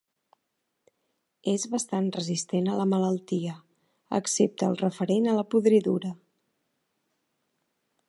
És bastant resistent a la malaltia, excepte el referent a la podridura.